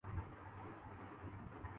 اپنی مزدوری کا انتظار کرتا ہے